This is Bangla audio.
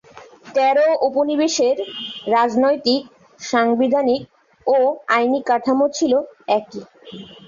তেরো উপনিবেশের রাজনৈতিক, সাংবিধানিক ও আইনি কাঠামো ছিল একই।